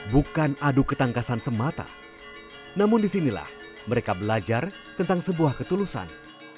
bukan adu ketangkasan semata namun disinilah mereka belajar tentang sebuah ketulusan